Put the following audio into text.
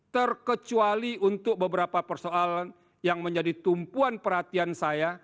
terkecuali untuk beberapa persoalan yang menjadi tumpuan perhatian saya